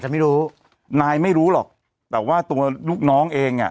ไม่รู้นายไม่รู้หรอกแต่ว่าตัวลูกน้องเองอ่ะ